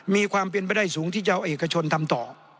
มีความเป็นไปได้สูงที่จะเอาเอกชนทำต่อ